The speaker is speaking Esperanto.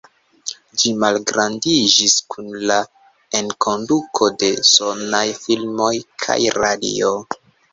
Ĝi malgrandiĝis kun la enkonduko de sonaj filmoj kaj radio.